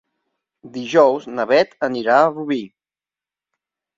Dijous na Beth anirà a Rubí.